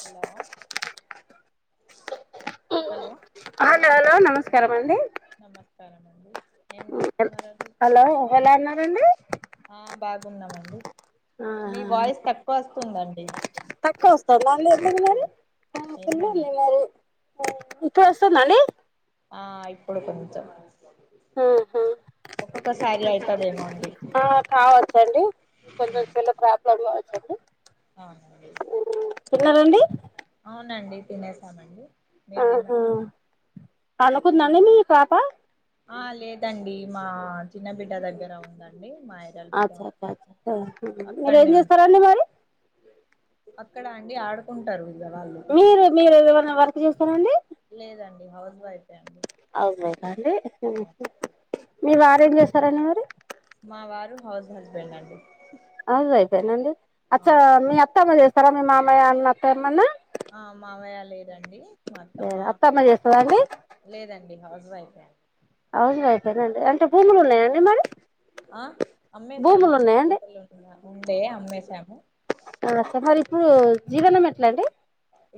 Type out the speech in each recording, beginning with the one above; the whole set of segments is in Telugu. హలో హలో ఆ నాన్న నమస్కారం అండి నమస్కారం అండి ఏం చేస్తున్నరండి హలో ఎలా ఉన్నారండి ఆ బాగున్నామండి ఆ మీ వాయిస్ తక్కువ వస్తుందండి తక్కువ వస్తందా ఎందుకు మరి అవును ఫులు ఉంది ఏమోనండి మరి ఇప్పుడు వస్తుంద అండి ఆ ఇప్పుడు కొంచెం ఉ హు ఒక్కొక్కసారి అయితదేమో అండి ఆ కావచ్చండి కొంచెం సెల్లు ప్రాబ్లమ్ లో ఉంది అండి అవునా తిన్నారండి అవునండి తినేసామండి మీరు తిన్నర పడుకుంద అండి మీ పాప ఆ లేదండి మా చిన్న బిడ్డ దగ్గర ఉందండి మా ఐరాల బిడ్డ అచ్చ అచ్చ మీరు ఏం అక్కడనే ఉంది చేస్తారండి మరి అక్కడ అండి ఆడుకుంటారు ఇగ వాళ్ళు మీరు మీరు ఏమనా వర్క్ చేస్తారండి లేదండి హౌస్ వైఫే అండి అవునాండి అవును మీ వారు ఏం చేస్తారండి మరి మా వారు హౌస్ హస్బెండ్ అండి హౌస్ వైఫ్ ఏనా అండి అచ్చా అవును మీ అత్తయ్య చేస్తారా మీ మామయ్య ఆ అత్త ఏమన్నా ఆ మామయ్య లేరండి అత్తమ్మ చేస్తార అండి లేదండి హౌస్ వైఫే హౌస్ వైఫ్ ఏనా అండి అంటే భూములు ఉన్నాయండి మరి ఆ భూములు అమ్మేశామండి ఉన్నాయండి కొంపల్లిలో ఉండే అమ్మేశాము మరీ ఇప్పుడు జీవనం ఎట్లా అండి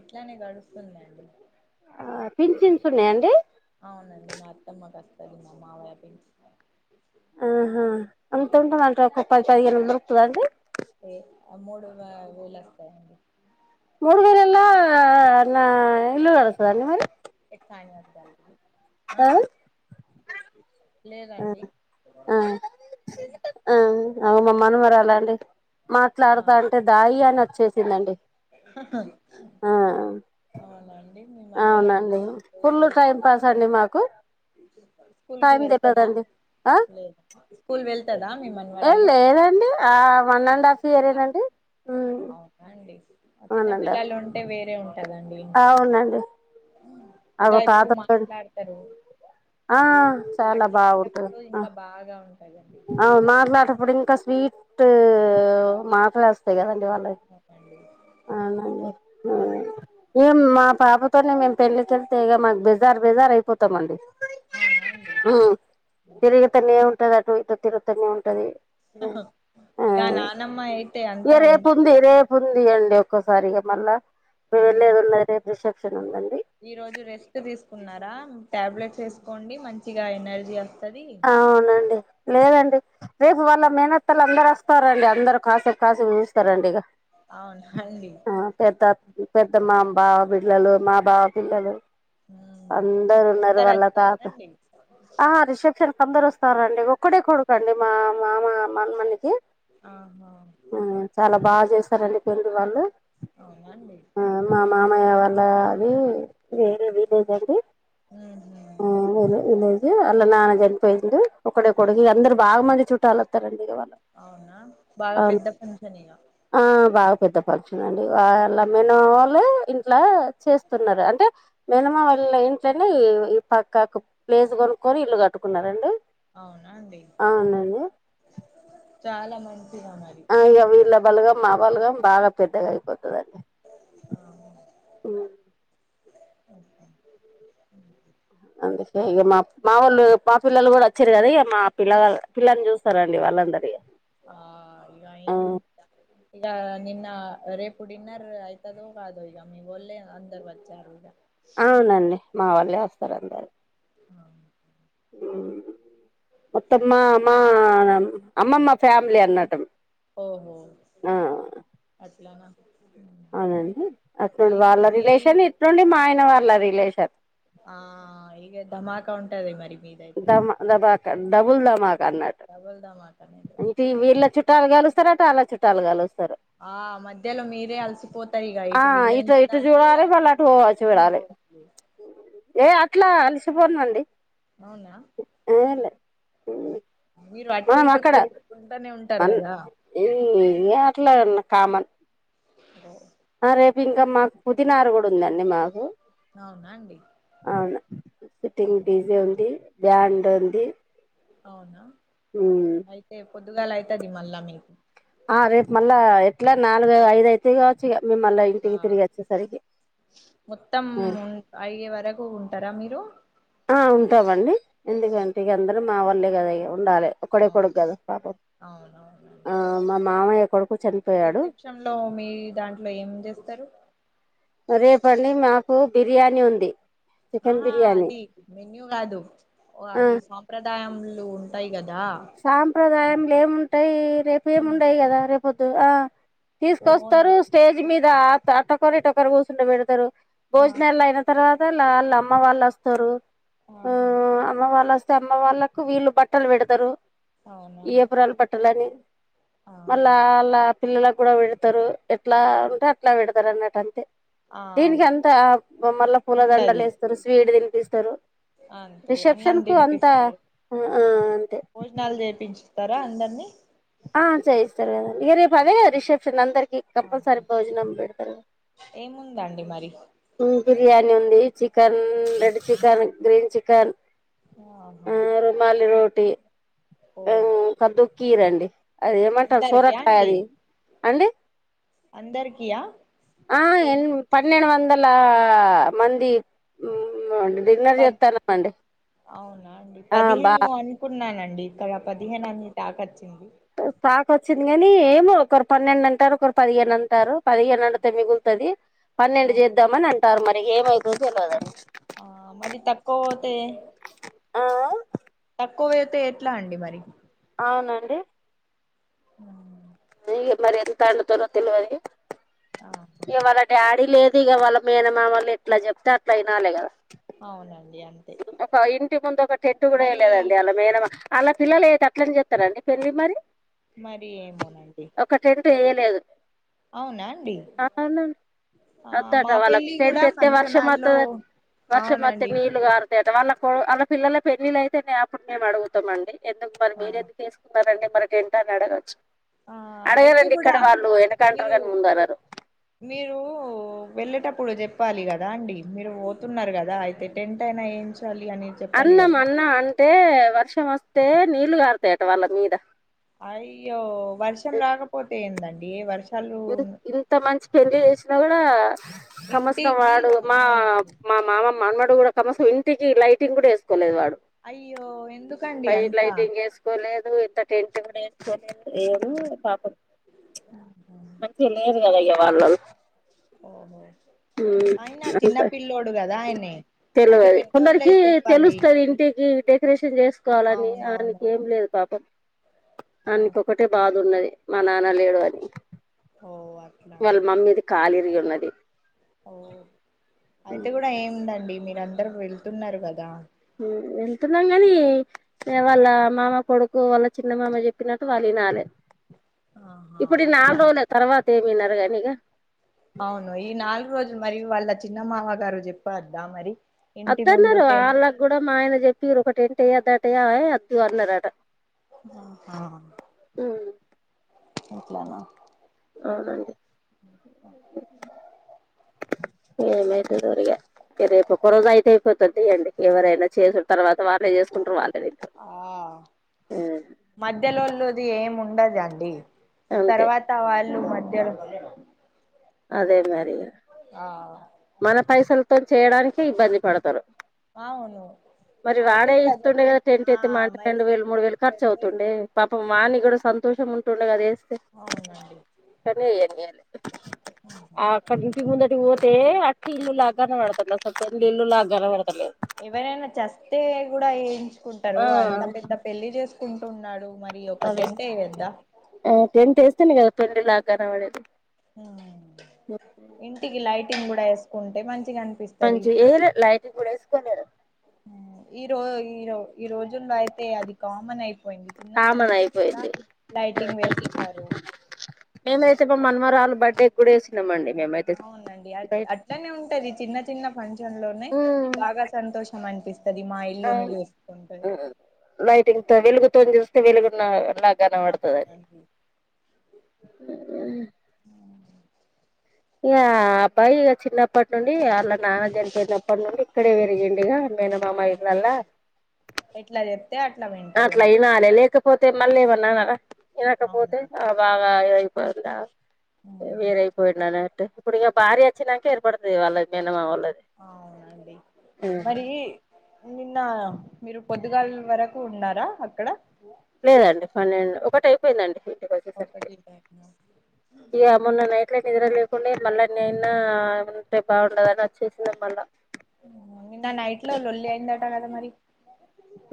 ఇట్లానే గడుస్తోందండి పించిన్స్ ఉన్నాయ అండి అవునండి మా అత్తమ్మకు వస్తది మా మామయ్య పెంచిని ఆహా అంత ఉంటుంద అండి ఒక పది పదిహేను వందలు దొరుకుతదా అండి ఏ మూడు వేలు వస్తాయండి మూడు వేళ్లలో నా ఇల్లు గడుస్తదా అండీ మరి చాయ్ తాగించడానికి ఆ లేదండి ఆ ఆ మా మనమరాలు అండి మాట్లాడుతా అంటే డాడీ అనీ వచ్చేసిందండి ఆహా ఆ మీ మనవరాలు అవునండి ఫుల్ టైం వెళ్తదా పాస్ అండి మాకు స్కూల్ కి టైం వెళ్తదా తెలియదండి ఆ లేదు స్కూల్ వెళ్తదా మీ ఏం మనమరాలు లేదండి ఆ వన్ అండ్ హాఫ్ ఇయర్ ఏ నండీ అవును అండి ఆ అండ్ హాఫ్ చిన్నపిల్లలు ఉంటే వేరే ఉంటదండి ఇంట్లో అవునండి అగో ఇంకా ఇప్పుడు తాతతో మాట్లాడుతారు ఆ చాలా బాగుంటది మాట్లాడేటప్పుడు ఆ ఇంకా బాగా ఉం అవును మాట్లాడేప్పుడు ఇంకా స్వీట్ మాటలు వస్తాయి కదండి వాళ్ళుకి అవునండి [unintelligible] ఏం మా పాపతోనే మేము పెళ్లికెళ్తే ఇగ మాకు బెజార్ బెజార్ అయిపోతామండి అవునాండి తిరుగతనే ఉంటది అటు ఇటు తిరుగుతనే ఉంటది ఆ ఇగ నానమ్మ అయితే అంత ఉండ [unintelligible] [unintelligible] ది గండి ఒక్కసారిగా మళ్ళా మేమెళ్ళేదున్న రేపు రిసెప్షన్ ఉందండి ఈరోజు రెస్ట్ తీసుకున్నారా టాబ్లెట్స్ ఏసుకోండి మంచిగా ఎనర్జీ ఒస్తది అవునండి లేదండి రేపు వాళ్ళ మేనత్తలు అందరు వస్తారండి అందరు కాసేపు కాసి చూస్తారండి ఇక అవున హాండి పెద్ద పెద్ద మా బావ పిల్లలు మా బావ పిల్లలు ఉమ్. అందరున్నరు అందరు వాళ్ళ తాత వచ్చారండి సెప్షన్ కి అందరు ఒస్తారండి ఒక్కడే కొడుకు అండి మా మామ మనుమనికి ఆహా ఆ చాలా బాగా చేస్తారండి పెండ్లి వాళ్ళు అవునండి ఆ మా మామయ్య వాళ్ళ అది వేరే విలేజ్ అండి ఉహు ఉమ్ వేరే విలేజు అలా నాన్న చనిపోయిండు ఒకడే కొడుకు ఇగ అందరు బాగా మంది చుట్టాల వత్తారండి [unintelligible] అవునా బాగా పెద్ద ఫంక్షనేగా ఆ బాగా పెద్ద పక్షన్ అండి వాళ్ళ మెనమమ వాల్లే ఇంట్లా చేస్తున్నారు అంటే మేనమామల్ల ఇంట్లోనే ఈ పక్కాకు ప్లేస్ కొనుక్కోని ఇల్లు కట్టుకున్నారండి అవునా అండి అవునండి చాలా మంచిగా [unintelligible] ఆ ఇగ వీళ్ళ బలగం మా బలగం బాగా పెద్దగా అయిపోతదండి ఆ ఉ ఓక అందుకే ఇక మా మా వాళ్ళు మా పిల్లలు కూడా వచ్చిరు కదా ఇక మా పిల్లగాల్లు పిల్లని చూస్తారండి వాళ్ళ ఆ ఇగ ఏం [unintelligible] ఇగా నిన్న రేపు డిన్నర్ అయితదో కాదో ఇక మీవోళ్లే అందరు వచ్చారు ఇగా అవునండి మా వాళ్ళే వస్తారు అందరూ అ మొత్తం మా మా అమ్మమ్మ ఫ్యామిలీ అన్నట ఓహో అట్లానా ఉమ్. అవునండి అటు నుండి మీకు వాళ్ళ మీ రిలేషన్ ఇటు నుండి మా ఆయన వాళ్ళ రిలేషన్ ఆ ఇగ ధమాకా ఉంటది మరి మీ దమా దబాకా డబుల్ దమాకా అన్నట్ డబుల్ ధమాకా నా ఈ వీళ్ళ చుట్టాలు కలుస్తారు అటు ఆళ్ళ చుట్టాలు కలుస్తరు ఆ మధ్యలో మీరే అలసిపోతారు ఇక ఆ ఇటు వీళ్ళని ఇటు చూడాలి అ మళ్ళ అటు ఓ చూడాలి ఏ అట్లా అలిసిపోన్నండి అవునా ఏలే మీరు అటు మనం ఇటు తిరుగుకుంటానే ఉంటారు కదా ఉమ్ ఏ అట్లా అన్న కామన్ సరే ఆ రేపు ఇంకా మాకు పుదీనారు కూడా ఉందండి మాకు అవునా అండి అవును ఇప్పుడు డిష్ ఉంది బ్యాండ్ ఉంది అవునా? ఉమ్మ్ అయితే పొద్దుగాల అయితది మళ్ళా మీకు ఆ రేపు మళ్ళా ఎట్లా నాలుగు ఐదు ఐతు తిగావచ్చు ఇక మీరు మళ్ళా ఆ ఇంటికి తిరిగి వచ్చేసరికి మొత్తం ఉన్ అయ్యే వరకు ఉంటారా మీరు? ఆ ఉంటావండి ఎందుకంటే ఇక అందరూ మావాళ్ళే కదా ఇక ఉండాలె. ఒక్కడే అవును కొడుకు కదా పాపం, ఆ అవునవునండి మా మామయ్య కొడుకు చనిపోయాడు. [unintelligible] లో మీ దాంట్లో ఏం చేస్తారు? రేపండీ నాకు బిర్యానీ ఉంది. చికెన్ ఆహా బిర్యానీ అది మెన్యూ కాదు ఓ ఆ అది సం ప్రదాయంలు ఉంటాయి కదా సాంప్రదాయంలు ఏముంటాయి, రేపు ఏముండయి ఏముంటాయా కదా రేపొద్దు ఆ ఓ తీసుకొస్తారు ఓన్లీ స్టేజ్ మీద అటొకరు ఇటొకరు కూర్చుంటే పెడతారు ఆ భోజనాల్లో అయినా తర్వాత వాళ్ళ అమ్మవాళ్ళు వస్తారు, ఆహా అమ్మ వాళ్ళు వస్త అమ్మ వాళ్ళకు వీళ్ళు బట్టలు పెడతరు అవునా వియ్యపురాలు బట్టలని మళ్ళా ఆహా వాళ్ళ పిల్లలకు కూడా పెడతారు, ఎట్లా ఉంటే అట్లా పెడతారు అన్నట్టు అంతే. ఆ దీనికి అంతా మళ్ళా పూల దండలు ఉండది వేస్తారు స్వీట్ తినిపిస్తారు అంతే అన్నం రిసెప్షన్ కు అంతా తినిపిస్తారు ఆ అంతే [unintelligible] చేపించుతారా అందరినీ ఆ చేయిస్తారు కదా ఇక రేపు అదేగా రిసెప్షన్ అందరికి ఆహా కంపల్సరీ భోజనం పెడతారు. ఏముందండి మరి బిర్యానీ ఉంది chicken, red chicken, green chicken ఆ ఆహా రుమాలి రోటి ఓ కద్దుఖీర్ అండి అది ఏమంటరు అందరికియా సొరకాయ్ అది అండి అందరికి యా ఆ ఎన్ పన్నెండు వందలా మంది మ్మ్ ఆ డిన్నర్ పద్ చెత్తన్నామండి ఆ బా కున్నానండి ఇక్కడ పదిహేను అని టాక్ వచ్చింది. టాక్ వచ్చింది గనీ ఏమో ఒకరు పన్నెండు అంటారు ఒకరు పదిహేను అంటారు పదిహేనొండుతే మిగుల్తది ఆ పన్నెండు చేద్దామని అంటారు మరి ఇగ ఏమైతదో తెల్వదు ఆ మరి తక్కువ పోతే ఆ తక్కువైతే ఎట్లా అండి మరి? అవునండి మ్మ్ ఇగ మరి ఎంత వొండుతరో తెల్వదు ఆహా ఎవరన్ డాడీ లేదు ఇగ వాళ్ళ మేనమామలు ఎట్ల చెప్తే అట్ల ఇనాలి గదా. అవునండి అం ఒక ఇంటి ముందు ఒక టెంట్ గూడ ఏయలేదండి అళ్ళ మేనమా అళ్ళ పిల్లలు ఐతే అట్లానే చెత్తరా అండి పెళ్ళి మరి మరీ ఏమోనండి ఒక టెంట్ ఎయలేదు అవునా అండి బావున్నాను ఆ వొద్దట మా వాళ్ళకు పెళ్లి కూడా టెంటేత్తే వర్ష ఫంక్షన్ హాల్లో మోత్తదని వర్షం మొత్తే అవునండి మీరు కారతయట వాళ్ళకు వాళ్ళ పిల్లల పెళ్ళిళ్ళైతేనే అప్పుడు మేము అడుగుతమండి ఎందుకు మరి ఆ మీరేందుకు ఎస్ మరి అండి మనకెంత అని అడగచ్చు ఆ అయితే అడగరండి కూడా ఇక్కడ వాళ్ళు వెనకంటరు కాని ముందు అనరు మీరూ వెళ్ళేటప్పుడు చెప్పాలి గదా అండి మీరు పోతున్నరు గదా అయితే టెంట్ అయినా ఏయించ్ చాలి అని చెప్పాలి అన్నం కదా అన్న అంటే వర్షం ఒస్తే నీళ్ళు గారతాయట వాళ్ళ మీద అయ్యో వర్షం రాకపోతే ఏందండి వర్ష ఇన్ ఇంత మంచి పెండ్లి చేసినా గూడా సమస్తమ్ ఇంటికి వాడు ర- మా అవునండి మా మామ మనవడు గూడా సమస్తం ఇంటికి లైటింగ్ గూడ ఎసుకోలేదు వాడు అయ్యో ఎందుకండి బైట్ అంతా లైటింగ్ ఎస్ కోలేదు ఇంత టెంట్ గూడ ఎసుకోలేదు ఏమో పాపం రాంపం మంచిగ లేరు గద ఇగ వాళ్ళు ఓహో అయిన చిన్న పిల్లోడు కద ఆయనే అయితే తెల్వది పెద్దోళ్ళే కొందరికి చెప్పాలి తెలుస్తది ఇంటికి డెకరేషన్ చేసుకోవాలని ఆయనకి అవునవును ఏం లేదు పాపం ఆ, ఆన్ ఒకటే బాదున్నది మా నాన్న లేడు అని ఓ అట్లానా వాళ్ళ మమ్మీది కాలిరిగి ఉన్నది ఓ అయితే గూడ ఏముందండి మీరు అందరూ వెళ్తున్నారు గదా వెళ్తున్నాం గనీ ఇగ వాళ్ళ మామ కొడుకు వాళ్ళ చిన్న మామ చెప్పినట్టు వాళ్ళు ఇనాలే ఆహా ఇప్పుడీ ఈ నాల్ అట్లా రోలే తర్వాత ఏమీనరు గనీ ఇగ అవును ఈ నాలుగు రోజులు మరి వాళ్ళ చిన్నమామ గారు చెప్పద్దా మరి ఇంటి ముందు అద్దన్నరు టెన్ ఆళ్ళకు గూడ మా ఆయన చెప్పిరు ఒక టెంట్ ఏయొద్దటేయవే అద్దు అన్నరట ఆహా అట్లనా అవునండి ఏమైతదో ఇగ ఇగ రేపు ఒకరోజు అయితే అయిపోతతి తియండి ఎవరైనా చేసు తర్వాత వాళ్ళే చేసుకుంటరు వాళ్ళే తింటరు మధ్యలోల్లది ఏమి ఉండదండి అంతే తర్వాత వాళ్ళు మధ్యలో అదే మరి ఇగ ఆ మన పైసలతోని చేయ్యడానికి ఇబ్బంది పడతరు అవును మరి అయితే వాడే కూడా చెప్ప ఎస్తుండేగ టెంట్ ఆ అయితే మాంటె మరి రెండు వేలు మూడు తెచ్చి వేలు ఖర్చు పెడితే అవుతుండే పాపం వాన్ని కూడా సంతోషం ఉంటుండే అది ఎస్తే అవునండి కానీ ఎయ్యనియ్యలె ఆ అక్కడ ఇంటి ముందటికి పోతే అక్క ఇల్లులా గనపడతంది అస్సలు ఫ్రెండ్ ఇల్లులా గనపడతలేదు ఎవరైనా చస్తే కూడా ఏయించుకుంటరు ఆ అంత పెద్ద పెళ్లి చేసుకుంటున్నడు మరి ఒక టెంట్ ఎయ్యొద్దా ఆ టెంట్ ఎస్తేనే కదా పెండ్లిలా గనపడేది ఆ ఇంటికి లైటింగ్ కూడా ఏసుకుంటే మంచిగ అనిపిస్ కొంచం ఏయ్లే లైటింగ్ కూడా ఎసుకోలేరు ఉమ్ ఈ రో ఈ రో ఈ రోజుల్లో అయితే అది కామన్ అయిపోయింది చిన్న కామన్ పనికి కూడా అయిపోయింది లైటింగ్ వేస్తరు మేమైతే మా మనమరాలు బర్డే కూడా వేసినమండి మేమైతే అవునండి అ లైట్ అట్లనే ఉంటది చిన్న చిన్న ఫంక్షన్ లోనే బాగా సంతోషం అనిపిస్ ఆ లైటింగ్తో వెలుగుతో చూస్తే వెలుగున్న న గనవడతదని అవునండి ఇగ ఆ అప్పాయి ఇగ చిన్నప్పటి నుండి ఆళ్ళ నాన్న జనిపోయిన్నప్పటి నుండి ఇక్కడే వెరిగిండిగా ఆ ఇంకా ఎట్లా జెప్తే అట్లా విన్ అట్లా ఇనాలె లేకప్ పోతే మళ్ళేమన్నా అనరా ఇనక పోతే అవునండి ఆ బాగా ఐపోయిందా వేరేయి పోయిడిన్నాటు ఇప్పుడుగ భార్యఒచ్చి నాంక ఏర్పడతుది వాళ్ళది మేనమా వాళ్ళది అవునండి మరి నిన్న మీరు పొద్దుగాల్ వరకు ఉన్నారా అక్కడ లేదండి పన్నెండ్ ఒకటి అయిపోయిందండి ఇంటికి వచ్చేసరికి ఒకటి పయిన్నా ఇగ మొన్న నైట్ల నిద్ర లేకుండే మళ్ళా నిన్నా ఉంటే బాగుండదన్ ఒచ్చేసినా మళ్ళా ఉహు నిన్న నైట్ లో లొల్లి అయిందట గదా మరి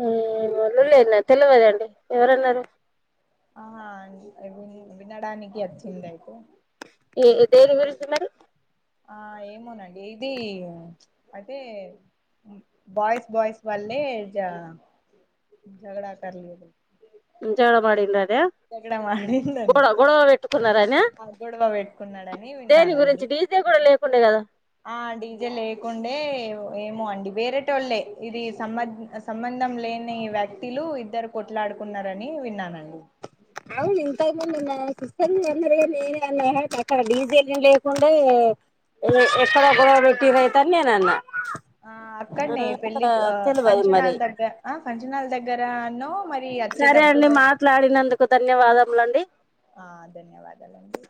ఊ ఏ లోళ్ళైందా తెలవదండి ఎవరన్నారు ఆహా ఇగుంది వినడానికి అచ్చిందయితే ఏ దేని గురించి న్నరు ఆ ఏమోనండి ఇదీ ఐతే బాయిస్ బాయిస్ వాల్లే జ ఝగడా పర్లేదు జడమాడిండ్రనా జగడా మాడిందని ఎప్పుడో వెట్టుకున్నరని ఆ హ గొడవ పెట్టుకున్నడని విన్నానండి గురించి డీజే కూడా లేకుండే కదా ఆ డీజె లేకుండే ఏమో అండి వేరేటొళ్ళే ఇది సమద్ అస్ సంబంధం లేని వ్యక్తి లు ఇద్దరు కొట్లాడుకున్నారని విన్నానండి అవున్ ఇంతకుముందు నా సిస్టర్ అన్నర్ గన్ నేనే అన్నా హట్ అక్కడ డీజే ఎం లేకుండే ఎ ఎక్కడ గొడవ పెట్టిరైతే అన్ నేనన్న ఆ అక్కన్నె పెళ్ళి ఆ తెలవదు మరి ఫంక్షనాల్ దగ్గర ఆ ఫంక్షనాల్ దగ్గర అన్నో మర్ సరే అండి మాట్లాడినందుకు ధన్యవాదములండి ఆ ధన్యవాదాలండి